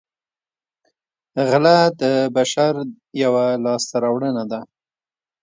غلا د بشر یوه لاسته راوړنه ده